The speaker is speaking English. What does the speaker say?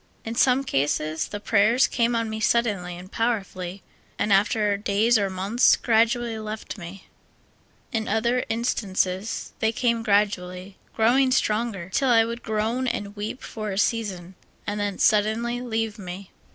In some cases, the prayers came on me suddenly and powerfully, and, after clays or months, gradually left me ; in other instances, they came gradually, getting stronger, till I would groan and w^eep for a season, and then suddenly leave me.